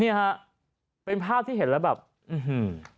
เนี่ยฮะเป็นภาพที่เห็นแล้วแบบอื้อหือ